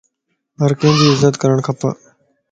ھرڪي جي عزت ڪرڻ کپ